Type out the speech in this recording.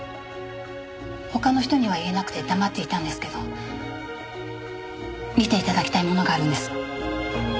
他の人には言えなくて黙っていたんですけど見ていただきたいものがあるんです。